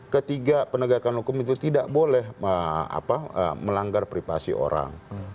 ketiga penegakan hukum itu tidak boleh melanggar privasi orang